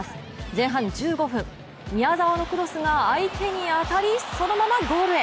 前半１５分、宮澤のクロスが相手に当たり、そのままゴールへ。